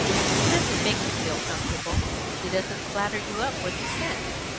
"He doesn't make you feel comfortable. He doesn't flatter you up worth a cent.